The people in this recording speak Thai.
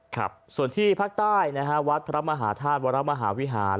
ครับส่วนที่ภาคใต้นะฮะวัดพระมหาธาตุวรมหาวิหาร